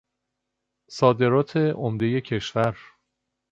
صادرات عمدهی کشور